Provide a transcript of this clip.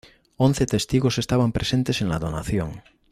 Once testigos estaban presentes en la donación.